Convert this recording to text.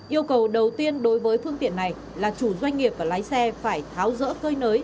yêu cầu đầu tiên đối với phương tiện này là chủ doanh nghiệp và lái xe phải tháo rỡ cơi nới